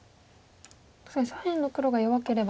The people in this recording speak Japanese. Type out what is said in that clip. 確かに左辺の黒が弱ければ。